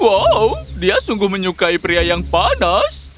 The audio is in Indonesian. wow dia sungguh menyukai pria yang panas